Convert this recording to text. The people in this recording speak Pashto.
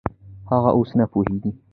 هغه اوس نه پوهېږي.